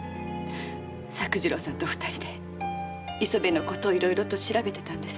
作次郎さんと二人で磯部のことをいろいろと調べていたんです。